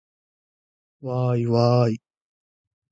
わーいわーい